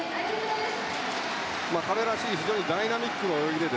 彼らしい非常にダイナミックな泳ぎで。